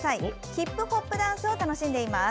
ヒップホップダンスを楽しんでいます。